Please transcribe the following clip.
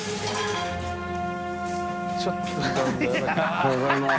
おはようございます。